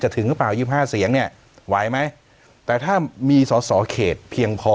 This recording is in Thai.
ถึงหรือเปล่า๒๕เสียงเนี่ยไหวไหมแต่ถ้ามีสอสอเขตเพียงพอ